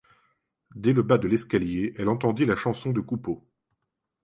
Dès le bas de l'escalier, elle entendit la chanson de Coupeau.